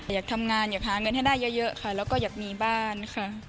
อยากทำงานอยากหาเงินให้ได้เยอะค่ะแล้วก็อยากมีบ้านค่ะ